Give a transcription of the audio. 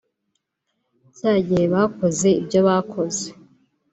cyagihe bakoze ibyo bakoze